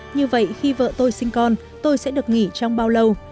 như vậy khi vợ tôi sinh con tôi sẽ được nghỉ trong bao lâu